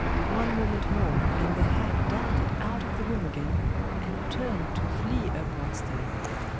One moment more, and the hag darted out of the room again, and turned to flee upward still.